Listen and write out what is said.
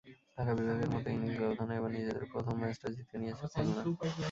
ঢাকা বিভাগের মতোই ইনিংস ব্যবধানে এবার নিজেদের প্রথম ম্যাচটা জিতে নিয়েছে খুলনা।